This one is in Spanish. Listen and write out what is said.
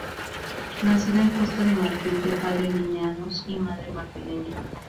Nacido en Costa de Marfil, de padre guineanos y madre marfileña.